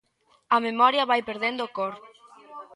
A memoria vai perdendo cor.